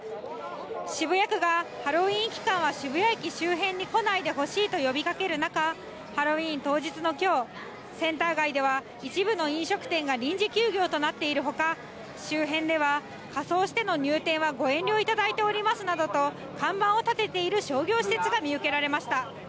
渋谷区がハロウィーン期間は渋谷駅周辺に来ないでほしいと呼びかける中、ハロウィーン当日のきょう、センター街では一部の飲食店が臨時休業となっているほか、周辺では仮装しての入店はご遠慮いただいておりますなどと看板を立てている商業施設が見受けられました。